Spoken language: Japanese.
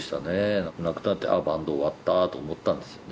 亡くなったってあっバンド終わったと思ったんですよね